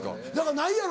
ないやろ？